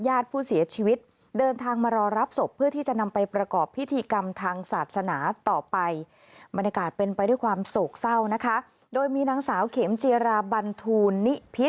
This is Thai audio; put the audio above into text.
ญาติผู้เสียชีวิตเดินทางมารอรับศพ